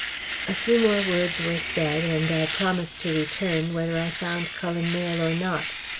A few more words were said, and I promised to return, whether I found Cullen Mayle or not.